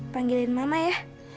panggilin mama ya